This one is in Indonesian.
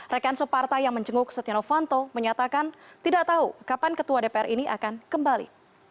rekan suparta yang menjenguk setia novanto menyatakan tidak tahu kapan ketua dpr ini akan kembali